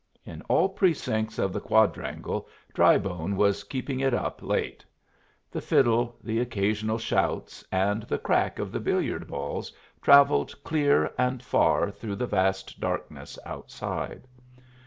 In all precincts of the quadrangle Drybone was keeping it up late. The fiddle, the occasional shouts, and the crack of the billiard balls travelled clear and far through the vast darkness outside.